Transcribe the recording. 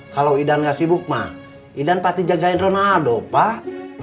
kalo idam gak sibuk mah idam pasti jagain ronaldo pak